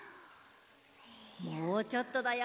もうちょっとだよ。